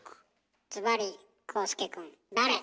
ずばり浩介君誰？